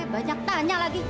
banyak tanya lagi